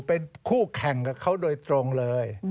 เป็นคู่แข่งกับเขาโดยตรงเลย